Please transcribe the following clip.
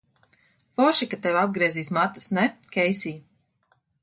Forši, ka tev apgriezīs matus, ne, Keisija?